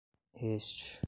este